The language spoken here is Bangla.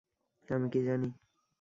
আমি কি জানি?